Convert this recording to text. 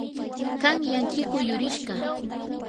qanyan chikuu yurishqa.